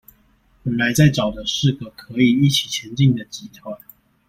本來在找的是個可以一起前進的集團